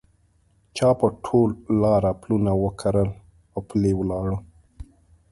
چا په ټول لاره پلونه وکرل اوپلي ولاړه